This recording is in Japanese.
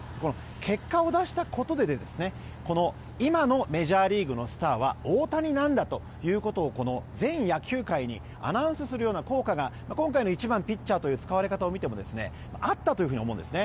結果を出したことで今のメジャーリーグのスターは大谷なんだということを全野球界にアナウンスするような効果が１番、ピッチャーという使われ方を見てもあったと思うんですね。